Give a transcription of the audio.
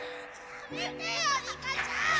やめてよ里香ちゃん！